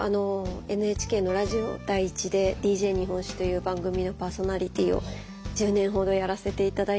ＮＨＫのラジオ第１で「ＤＪ日本史」という番組のパーソナリティーを１０年ほどやらせて頂いていて。